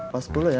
pas dulu ya